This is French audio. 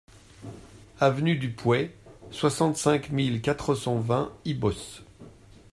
Avenue du Pouey, soixante-cinq mille quatre cent vingt Ibos